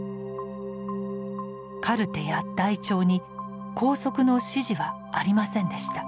カルテや台帳に拘束の指示はありませんでした。